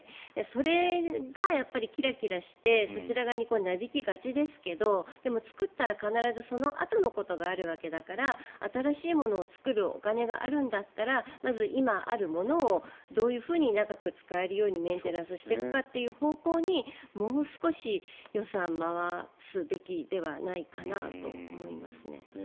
それがキラキラしてそちら側になびきがちですけどでも作ったら必ずそのあとのことがあるわけだから新しいものを作るお金があるんだったらまず今あるものをどういうふうに長く使えるようにメンテナンスしていくかという方向にもう少し予算を回すべきではないかなと思いますね。